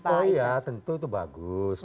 oh iya tentu itu bagus